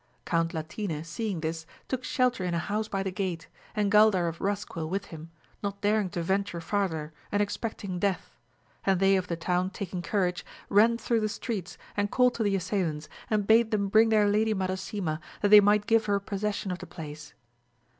Count Latine seeing this, took shelter in a house by the gate, and Gaidar of Rascuil with him, not daring to venture farther, and expecting death ; and they of the town taking courage, ran through the streets and called to the assailants, and bade them bring their lady Mada sima, that they might give her possession of the place.